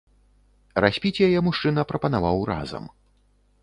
Распіць яе мужчына прапанаваў разам.